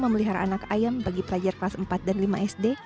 memelihara anak ayam bagi pelajar kelas empat dan lima sd